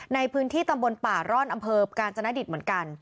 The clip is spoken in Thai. ในพื้นที่ตำบลป่าร่อนอำเภอกาญจนดิตเหมือนกัน